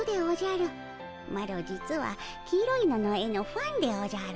マロ実は黄色いのの絵のファンでおじゃる。